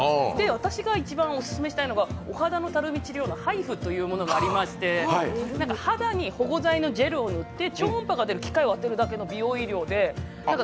私が一番オススメしたいのがお肌のたるみ治療のハイフというものがありまして、肌に保護材のジェルを塗って超音波を当てるだけの美容医療で。